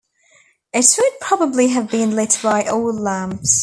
It would probably have been lit by oil lamps.